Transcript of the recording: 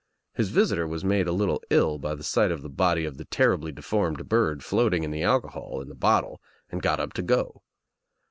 His visitor was made a little ill by the sight of the body of the terribly deformed bird floating in the alcohol in the bottle and got up to go.